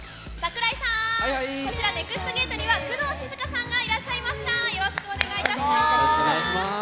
櫻井さん、こちらＮＥＸＴゲートには、工藤静香さんがいらっしゃいました。